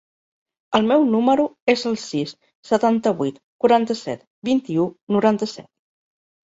El meu número es el sis, setanta-vuit, quaranta-set, vint-i-u, noranta-set.